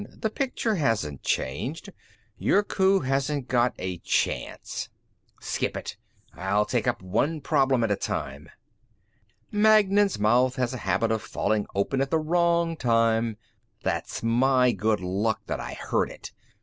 The picture hasn't changed. Your coup hasn't got a chance." "Skip it. I'll take up one problem at a time." "Magnan's mouth has a habit of falling open at the wrong time " "That's my good luck that I heard it.